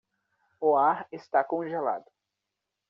O ar está congelado